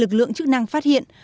lực lượng chức năng phát hiện